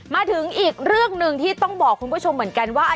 มาถึงอีกเรื่องหนึ่งที่ต้องบอกคุณผู้ชมเหมือนกันว่า